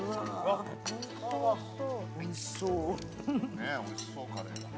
ねえ美味しそうカレーがね。